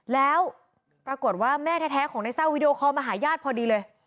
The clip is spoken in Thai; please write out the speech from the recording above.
แล้วปรากฏว่าแม่แท้ของนายเศร้าวีดีโอคอลมาหาญาติพอดีเลย